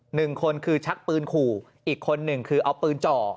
หนึ่งคนคือชักปืนขู่อีกคนหนึ่งคือเอาปืนจ่อ